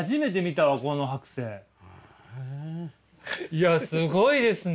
いやすごいですね！